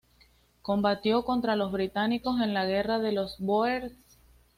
Combatió contra los británicos en la guerra de los Bóers.